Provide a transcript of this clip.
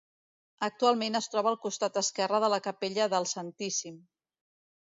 Actualment es troba al costat esquerre de la capella del Santíssim.